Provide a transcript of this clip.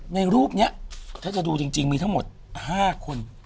ในรูปนี้ถ้าจะดูจริงมีทั้งหมด๕คน